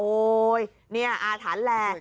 โอ้ยเนี่ยอาถานแล